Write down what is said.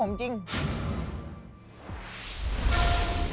น้องจะต้องเข้ากัน